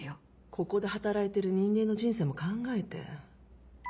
ここで働いてる人間の人生も考えて。